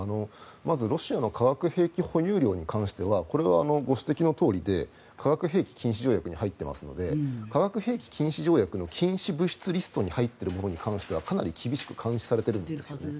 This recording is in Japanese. まず、ロシアの化学兵器保有量に関してはこれはご指摘のとおりで化学兵器禁止条約に入っていますので化学兵器禁止条約の禁止物リストに入っているものに関してはかなり厳しく管理されているはずです。